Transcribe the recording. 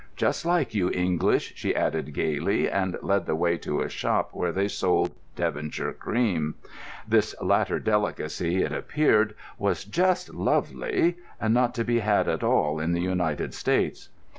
"Just like you English," she added gaily, and led the way to a shop where they sold Devonshire cream. This latter delicacy, it appeared, was "just lovely," and not to be had at all in the United States.